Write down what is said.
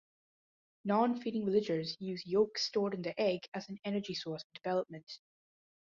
"Non-feeding" veligers use yolk stored in the egg as an energy source for development.